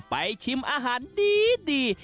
ไปชมอาหารดี